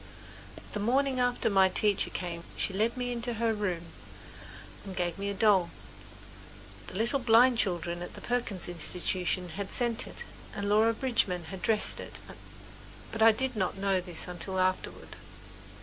The morning after my teacher came she led me into her room and gave me a doll. The little blind children at the Perkins Institution had sent it and Laura Bridgman had dressed it; but I did not know this until afterward.